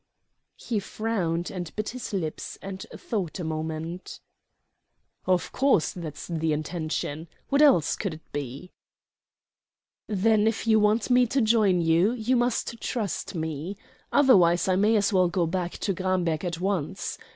He frowned and bit his lips and thought a moment. "Of course that's the intention; what else could it be?" "Then if you want me to join you you must trust me; otherwise I may as well go back to Gramberg at once.